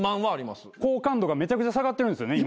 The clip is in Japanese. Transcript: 好感度がめちゃくちゃ下がってるんですよね